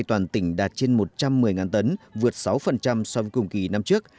toàn tỉnh đạt trên một trăm một mươi tấn vượt sáu so với cùng kỳ năm trước